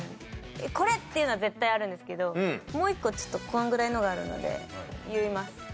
これっていうのは絶対あるんですけどもう１個ちょっとこのぐらいのがあるので。